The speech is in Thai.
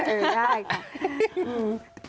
เออได้ค่ะ